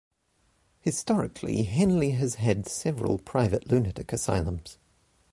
Historically, Henley has had several private lunatic asylums.